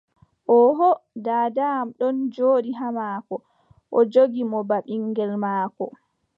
Oooho. Daada am ɗon jooɗi haa maako, o joggi mo baa ɓinŋgel maako.